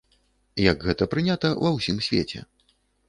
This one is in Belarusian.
Як гэта прынята ва ўсім свеце.